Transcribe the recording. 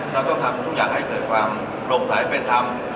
เราต้องทำทุกอย่างให้เกิดความโปร่งใสเป็นธรรม